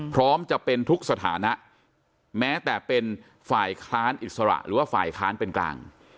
พร้อมจะเป็นทุกสถานะแม้แต่เป็นฝ่ายค้านอิสระหรือว่าฝ่ายค้านเป็นกลาง